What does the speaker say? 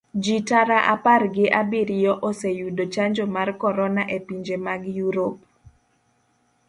Ji tara apar gi abiriyo oseyudo chanjo mar korona epinje mag europe.